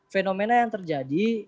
fenomena yang terjadi